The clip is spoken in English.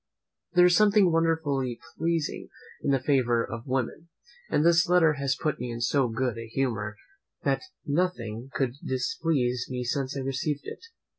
There is something wonderfully pleasing in the favour of women; and this letter has put me in so good a humour, that nothing could displease me since I received it.